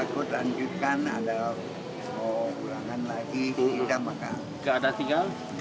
gak ada singkawang